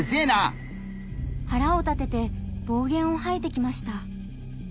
はらを立てて暴言をはいてきました。